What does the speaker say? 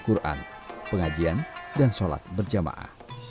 dan pengajian dan sholat berjamaah